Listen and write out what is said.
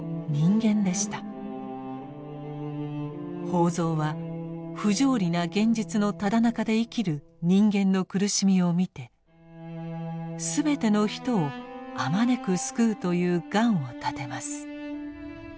法蔵は不条理な現実のただなかで生きる人間の苦しみを見てすべての人をあまねく救うという願を立てます。